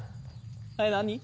え何？